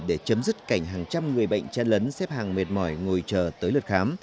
để chấm dứt cảnh hàng trăm người bệnh chen lấn xếp hàng mệt mỏi ngồi chờ tới lượt khám